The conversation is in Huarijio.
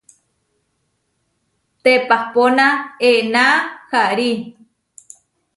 Teʼpapóna ená harí.